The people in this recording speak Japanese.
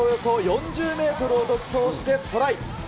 そこからおよそ４０メートルを独走してトライ。